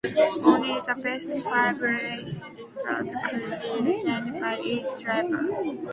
Only the best five race results could be retained by each driver.